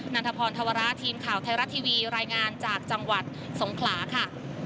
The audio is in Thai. ันทพรธวระทีมข่าวไทยรัฐทีวีรายงานจากจังหวัดสงขลาค่ะ